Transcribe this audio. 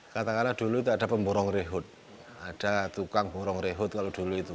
katakanlah dulu itu ada pemborong rehut ada tukang pemborong rehut kalau dulu itu